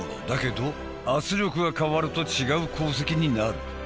だけど圧力が変わると違う鉱石になる。